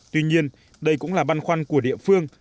tuy nhiên đây cũng là băn khoăn của địa phương